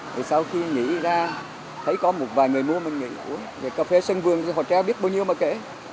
thì sau khi nghĩ ra thấy có một vài người mua mình nghĩ cà phê sân vườn họ trao biết bao nhiêu mà kể